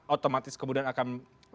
otomatis kemudian akan